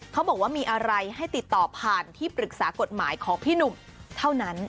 เขาบอกว่ามีอะไรให้ติดต่อผ่านที่ปรึกษากฎหมายของพี่หนุ่มเท่านั้น